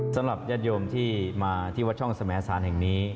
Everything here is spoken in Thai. สำหรับญาติโยมที่มาที่วัดช่องสมสารแห่งนี้